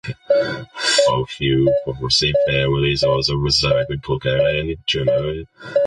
A few Parsee families also reside in Kolkata and Chennai.